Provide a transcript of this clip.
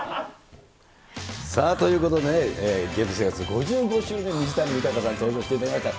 さあ、ということでね、芸能生活５５周年、水谷豊さん、登場していただきました。